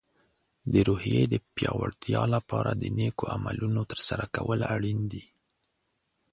د روحیې د پیاوړتیا لپاره د نیکو عملونو ترسره کول اړین دي.